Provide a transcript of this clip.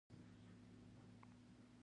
مېز د هنر او کار ترکیب ښکاروي.